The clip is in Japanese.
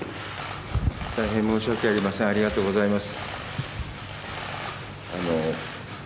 大変申し訳ありません、ありがとうございます。